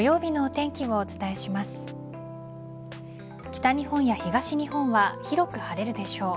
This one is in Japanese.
北日本や東日本は広く晴れるでしょう。